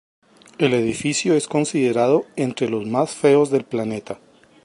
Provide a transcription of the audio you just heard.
El edificio es considerado entre los más feos del planeta.